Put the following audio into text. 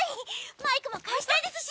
マイクも返したいですし！